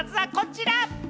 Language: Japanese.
まずはこちら。